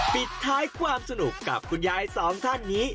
ปิดท้ายความสนุกกับคุณยายสองท่านนี้